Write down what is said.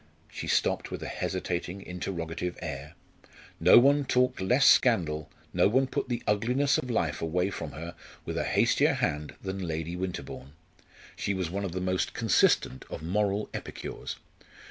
She stopped with a hesitating, interrogative air. No one talked less scandal, no one put the uglinesses of life away from her with a hastier hand than Lady Winterbourne. She was one of the most consistent of moral epicures.